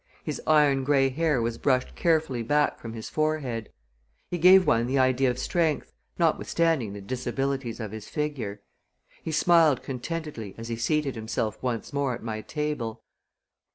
His iron gray hair was brushed carefully back from his forehead. He gave one the idea of strength, notwithstanding the disabilities of his figure. He smiled contentedly as he seated himself once more at my table.